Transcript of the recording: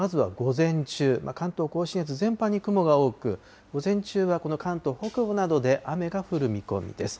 まずは午前中、関東甲信越、全般に雲が多く、午前中はこの関東北部などで雨が降る見込みです。